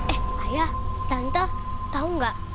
eh ayah tante tau gak